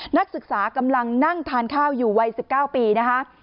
นักศึกษากำลังนั่งทานข้าวอยู่วัย๑๙ปีนะคะ